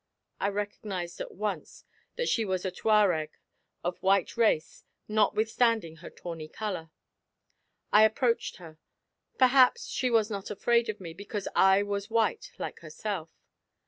I recognized at once that she was a Touareg, of white race, notwithstanding her tawny color. I approached her. Perhaps she was not afraid of me, because I was white like herself.